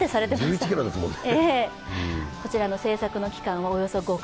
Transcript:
１１ｋｇですもんね。